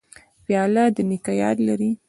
پیاله د نیکه یاد لري.